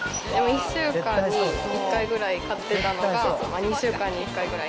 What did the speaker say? １週間に１回ぐらい買ってたのが、２週間に１回ぐらい。